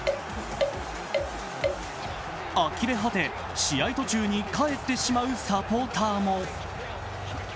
あきれ果て、試合途中に帰ってしまうサポーターも。